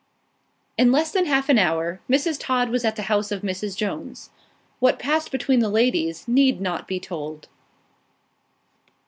In less than half an hour, Mrs. Todd was at the house of Mrs. Jones. What passed between the ladies need not be told.